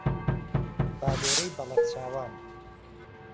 بالۆرەی بەڵەک چاوان